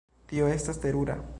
Tio estas terura.